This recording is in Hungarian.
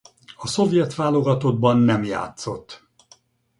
A szovjet válogatottban nem játszott.